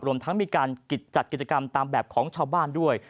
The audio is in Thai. รวมทั้งมีการจัดกิจกรรมตามแบบของชาวบ้านด้วย